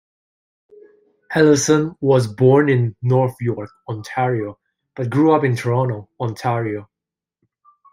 Allison was born in North York, Ontario, but grew up in Toronto, Ontario.